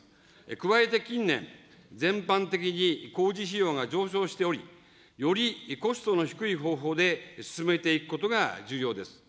加えて近年、全般的に工事費用が上昇しており、よりコストの低い方法で進めていくことが重要です。